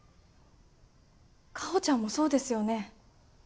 夏帆ちゃんもそうですよね？